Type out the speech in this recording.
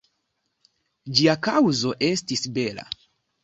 Ĝia kaŭzo estis bela.